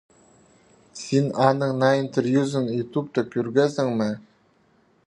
Син аның наа интервьюзын ютубта кӧргезің ме?